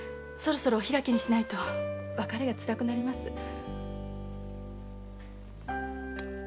そろそろお開きにしないと別れがつらくなります。